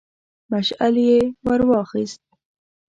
مشعل يې ور واخيست.